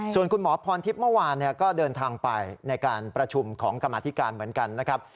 ส่วนคุณหมอพรทิพย์เมื่อวานก็เดินทางไปในการประชุมของกรรมธิการเหมือนกันนะครับ